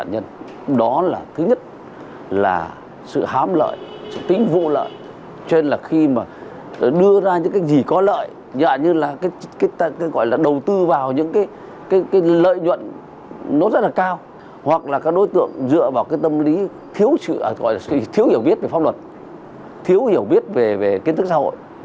hoặc là các đối tượng dựa vào cái tâm lý thiếu hiểu biết về pháp luật thiếu hiểu biết về kiến thức xã hội